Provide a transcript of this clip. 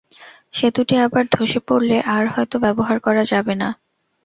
সেতুটি আবার ধসে পড়লে আর হয়তো ব্যবহার করা যাবে না।